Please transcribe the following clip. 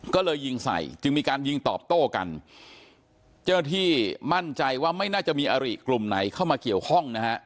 ก็เลยยิงใส่จึงมีการยิงตอบโต้กันเจ้าหน้าที่มั่นใจว่าไม่น่าจะมีอริกลุ่มไหนเข้ามาเกี่ยวข้องนะฮะ